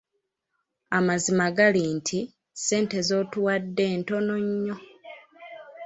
Amazima gali nti ssente z'otuwadde ntono nnyo.